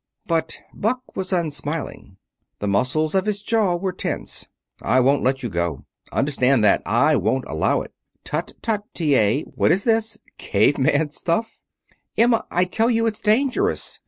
But Buck was unsmiling. The muscles of his jaw were tense. "I won't let you go. Understand that! I won't allow it!" "Tut, tut, T. A.! What is this? Cave man stuff?" "Emma, I tell you it's dangerous.